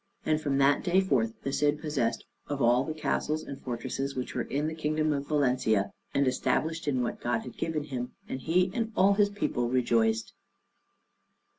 And from that day forth was the Cid possessed of all the castles and fortresses which were in the kingdom of Valencia, and established in what God had given him, and he and all his people rejoiced.